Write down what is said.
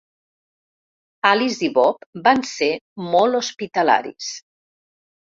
Alice i Bob van ser molt hospitalaris.